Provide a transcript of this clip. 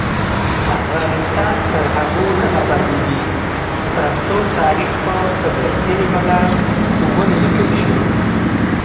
افغانستان تر هغو نه ابادیږي، ترڅو تاریخ په رښتینې بڼه ونه لیکل شي.